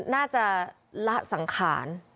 น่าจะละสังขาร